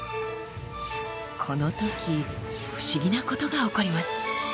このとき不思議なことが起こります。